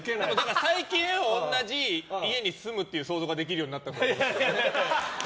最近同じ家に住むっていう想像ができるようになった。